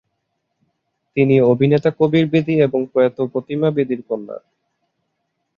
তিনি অভিনেতা কবীর বেদী এবং প্রয়াত প্রতিমা বেদীর কন্যা।